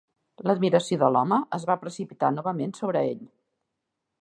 L'admiració de l'home es va precipitar novament sobre ell.